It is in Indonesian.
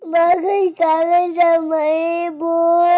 bagus takut sama ibu